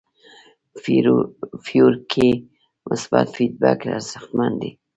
فیور کې مثبت فیډبک ارزښتمن دی.